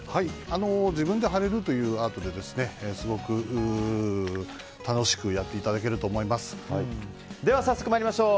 自分で貼れるというアートですごく楽しくでは早速参りましょう。